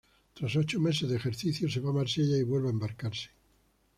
Tras ocho meses de ejercicio, se va a Marsella y vuelve a embarcarse.